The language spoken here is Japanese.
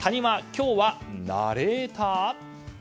今日はナレーター？